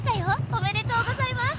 「おめでとうございます」